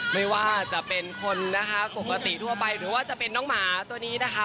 ไม่ว่าจะเป็นคนนะคะปกติทั่วไปหรือว่าจะเป็นน้องหมาตัวนี้นะคะ